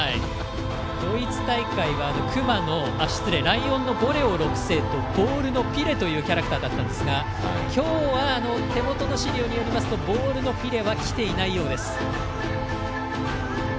ドイツ大会はライオンのゴレオ６世とボールのピレというキャラクターだったんですが今日は手元の資料によりますとボールのピレは来ていないようです。